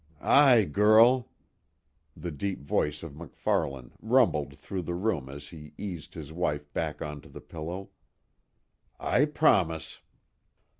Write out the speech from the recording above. "Aye, girl," the deep voice of MacFarlane rumbled through the room as he eased his wife back onto the pillow, "I promise."